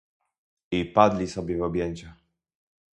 "I padli sobie w objęcia."